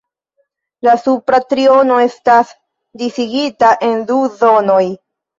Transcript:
La supra triono estas disigita en du zonoj.